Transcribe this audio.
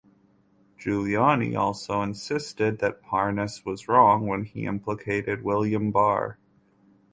Giuliani also insisted that Parnas was wrong when he implicated William Barr.